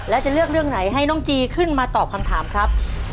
แล้วจะเลือกเรื่องไหนให้น้องจีขึ้นมาตอบคำถามครับ